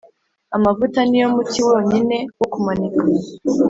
amavuta niyo muti wonyine wo kumanika